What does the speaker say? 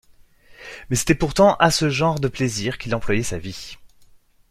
Mais c’était pourtant à ce genre de plaisirs qu’il employait sa vie.